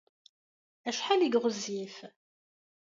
Acḥal ay ɣezzif?